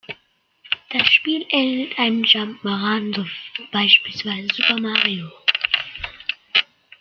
Das Spiel ähnelt einem Jump ’n’ Run, wie beispielsweise "Super Mario".